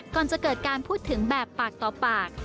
ก่อนจะเกิดการพูดถึงแบบปากต่อปาก